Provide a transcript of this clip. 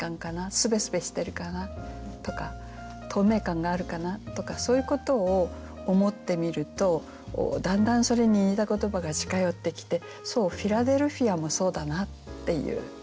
すべすべしてるかな？とか透明感があるかな？とかそういうことを思ってみるとだんだんそれに似た言葉が近寄ってきて「フィラデルフィア」もそうだなっていうことになりますよね。